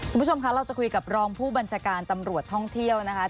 คุณผู้ชมคะเราจะคุยกับรองผู้บัญชาการตำรวจท่องเที่ยวนะคะ